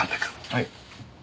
はい。